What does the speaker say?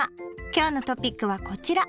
今日のトピックはこちら。